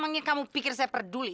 emangnya kamu pikir saya peduli